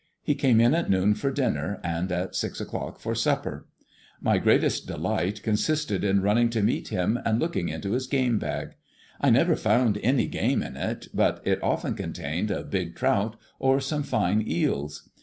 He came in at noon for dinner, and at six o'clock for supper. My greatest delight consisted in running to meet him and looking into his game bag. I never found any game in it, but it often contained a big trout or some fine eels.